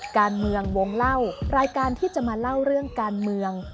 การเมืองวงเล่ารายการที่จะมาเล่าเรื่องการเมือง